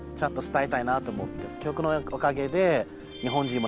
曲のおかげで。